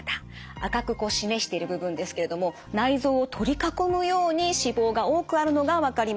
赤く示している部分ですけれども内臓を取り囲むように脂肪が多くあるのが分かります。